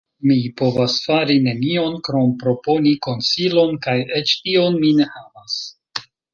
Mi povas fari nenion krom proponi konsilon, kaj eĉ tion mi ne havas.